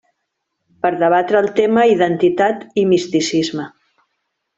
Per debatre el tema Identitat i misticisme.